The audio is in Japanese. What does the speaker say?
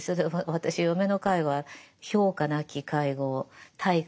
私嫁の介護は評価なき介護対価